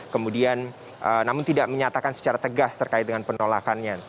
kemudian namun tidak menyatakan secara tegas terkait dengan penolakannya